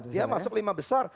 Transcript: dia masuk lima besar